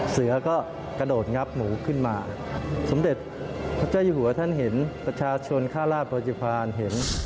เสือก็กระโดดงับหมูขึ้นมาสมเด็จพระเจ้าอยู่หัวท่านเห็นประชาชนค่าราชประจุภัณฑ์เห็น